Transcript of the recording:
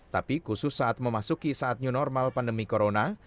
tapi khusus saat memasuki saatnya normal pandemi corona